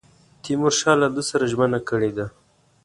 تیمورشاه له ده سره ژمنه کړې ده.